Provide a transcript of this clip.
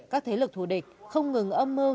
các thế lực thù địch không ngừng âm mưu